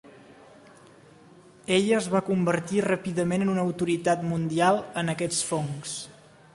Ella es va convertir ràpidament en una autoritat mundial en aquests fongs.